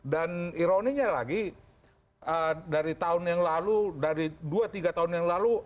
dan ironinya lagi dari tahun yang lalu dari dua tiga tahun yang lalu